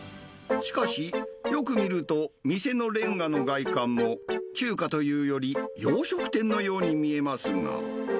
しかし、よく見ると、店のレンガの外観も、中華というより洋食店のように見えますが。